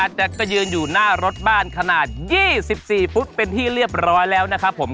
เราจะก็ยืนอยู่หน้ารถบ้านขนาดยี่สิบสี่ฟุตเป็นที่เรียบร้อยแล้วนะครับผม